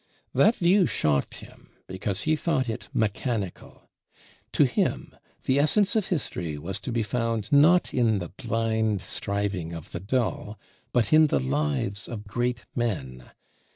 That view shocked him because he thought it mechanical. To him the essence of history was to be found not in the blind striving of the dull, but in the lives of great men.